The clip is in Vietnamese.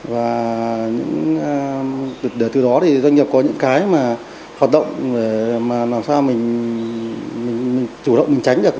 và từ đó thì doanh nhập có những cái mà hoạt động mà làm sao mình chủ động mình tránh được